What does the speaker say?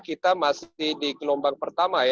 kita masih di gelombang pertama ya